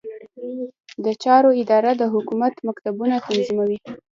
د چارو اداره د حکومت مکتوبونه تنظیموي